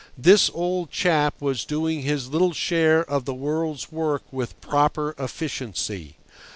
This old chap was doing his little share of the world's work with proper efficiency.